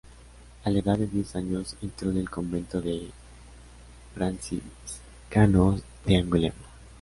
A la edad de diez años, entró en el convento de franciscanos de Angulema.